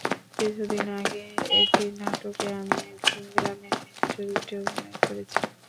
কিছুদিন আগে একটি নাটকে আমি একজন গ্রামের মেয়ের চরিত্রে অভিনয় করেছি।